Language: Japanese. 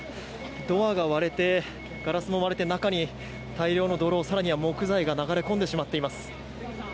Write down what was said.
ドアが割れてガラスも割れて中には大量の泥、更には木材も流れ込んでしまっています。